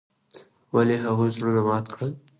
ولې هغوي زړونه مات کړل.